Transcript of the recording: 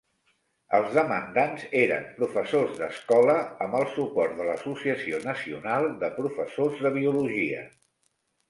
Els demandants eren professors d'escola amb el suport de l'Associació Nacional de Professors de Biologia.